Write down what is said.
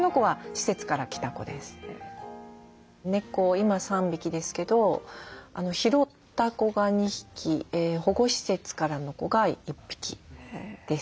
今３匹ですけど拾った子が２匹保護施設からの子が１匹です。